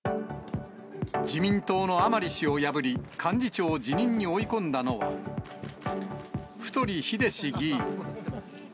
自民党の甘利氏を破り、幹事長辞任に追い込んだのは、太栄志議員。